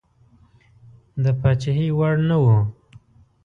د پاچهي وړ نه وو.